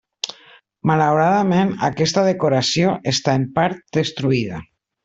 Malauradament, aquesta decoració està en part destruïda.